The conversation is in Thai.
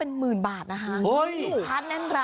ส่วนเมนูที่ว่าคืออะไรติดตามในช่วงตลอดกิน